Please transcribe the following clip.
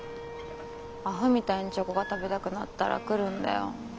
アホみたいにチョコが食べたくなったら来るんだよ。